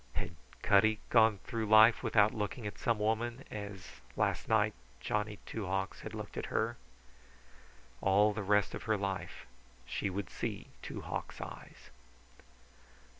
Had Cutty gone through life without looking at some woman as, last night, Two Hawks had looked at her? All the rest of her life she would see Two Hawks' eyes.